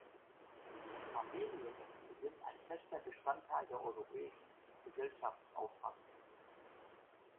Familien sind ein fester Bestandteil der europäischen Gesellschaftsauffassung.